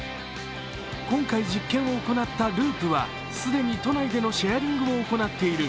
今回実験を行ったＬＵＵＰは既に都内でシェアリングを行っている。